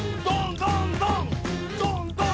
どんどんどん！